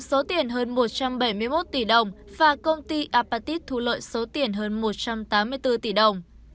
số tiền hơn một trăm bảy mươi một tỷ đồng và công ty apatit thu lợi số tiền hơn một trăm tám mươi bốn tỷ đồng